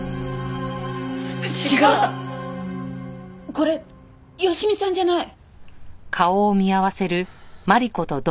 これ佳美さんじゃない！